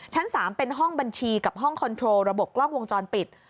ชั้น๓เป็นห้องบัญชีกับห้องคอนโทรระบบกล้องวงจรปิด